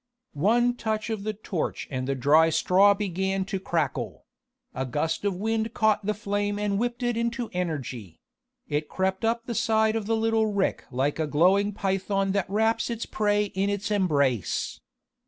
One touch of the torch and the dry straw began to crackle; a gust of wind caught the flame and whipped it into energy; it crept up the side of the little rick like a glowing python that wraps its prey in its embrace.